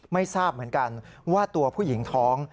ไม่ทราบเหมือนกันว่าตัวผู้หญิงท้อง